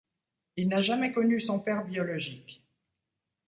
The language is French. Il n'a jamais connu son père biologique.